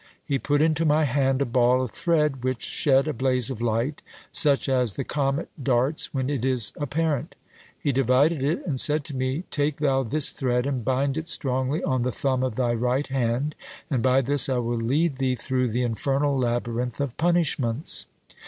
He put into my hand a ball of thread, which shed a blaze of light, such as the comet darts when it is apparent. He divided it, and said to me, 'Take thou this thread, and bind it strongly on the thumb of thy right hand, and by this I will lead thee through the infernal labyrinth of punishments.'